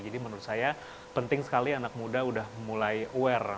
jadi menurut saya penting sekali anak muda sudah mulai aware